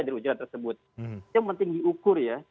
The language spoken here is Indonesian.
dari ujaran tersebut itu penting diukur ya